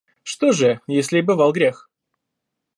Что же, если и бывал грех